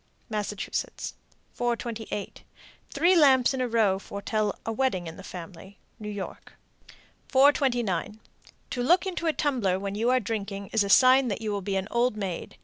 Massachusetts. 428. Three lamps in a row foretell a wedding in the family. New York. 429. To look into a tumbler when you are drinking is a sign that you will be an old maid.